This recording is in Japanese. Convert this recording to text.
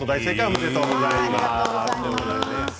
おめでとうございます。